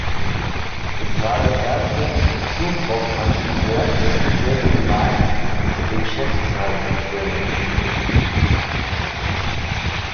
Es war das erste Turbofantriebwerk, das speziell für den Markt der Geschäftsreiseflugzeuge entwickelt wurde.